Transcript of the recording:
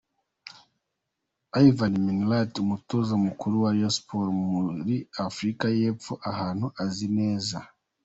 Ivan Minaert Umutoza mukuru wa Rayon Sports muri Afurika y'Epfo ahantu azi neza .